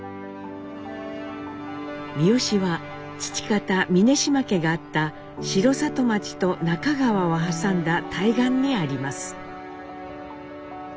三美は父方峯島家があった城里町と那珂川を挟んだ対岸にあります。